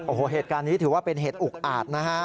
โอ้โหเหตุการณ์นี้ถือว่าเป็นเหตุอุกอาจนะฮะ